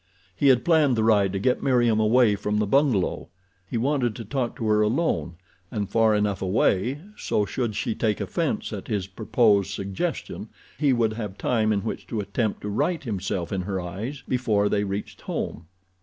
He had planned the ride to get Meriem away from the bungalow. He wanted to talk to her alone and far enough away so should she take offense at his purposed suggestion he would have time in which to attempt to right himself in her eyes before they reached home.